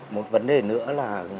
một vấn đề nữa là